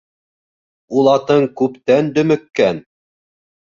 Ул атың күптән дөмөккән!